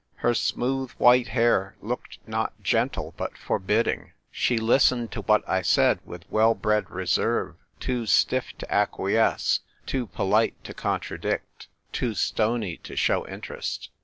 Her smooth white hair looked not gentle, but forbidding; she listened to what I said with well bred reserve: too stiff to acquiesce, too polite to contradict, too stony to show interest.